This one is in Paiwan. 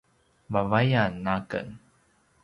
vavayan aken